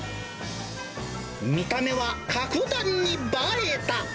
見た目は格段に映えた。